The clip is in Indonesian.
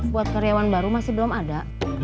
buat karyawan baru masih belum ada